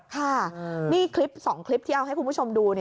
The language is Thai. ค่ะนี่คลิป๒คลิปที่เอาให้คุณผู้ชมดู